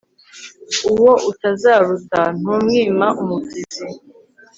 uwo utazaruta ntumwima umubyizi